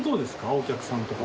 お客さんとかの。